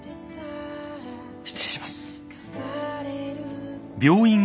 失礼します。